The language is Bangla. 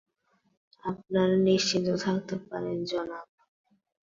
আপনারা নিশ্চিন্ত থাকতে পারেন, জনাব!